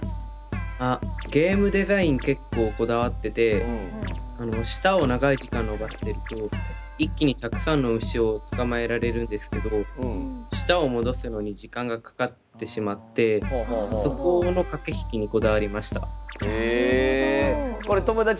ゲームデザイン結構こだわってて舌を長い時間伸ばしていると一気にたくさんの虫を捕まえられるんですけど舌を戻すのに時間がかかってしまってそこの駆け引きにこだわりました。